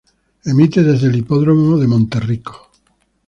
Emite desde el Hipódromo de Monterrico.